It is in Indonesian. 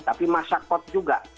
tapi masyarakat juga